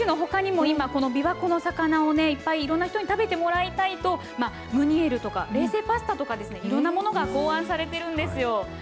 キムチのほかにも今、このびわ湖の魚をいっぱいいろんな人に食べてもらいたいと、ムニエルとか、冷製パスタとか、いろんなものが考案されてるんですよ。